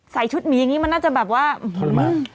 ใส่ชุดมีอย่างงี้มันน่าจะแบบว่าทรมาน